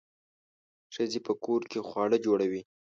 ښځې په کور کې خواړه جوړوي.